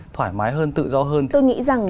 thoải mái hơn tự do hơn tôi nghĩ rằng